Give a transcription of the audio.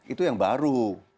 itu yang baru